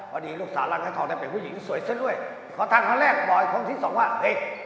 วันนี้ลูกสาวร้านขายทองได้เป็นผู้หญิงสวยซะด้วยขอทางคนแรกบอกไอ้คนที่สองว่าเฮ้ย